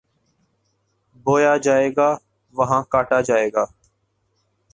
بویا جائے گا، وہاں کاٹا جائے گا۔